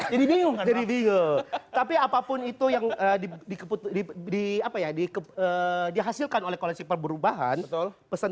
jadi bingung tapi apapun itu yang dikeput di apa ya dikepuh dihasilkan oleh koleksi perubahan pesan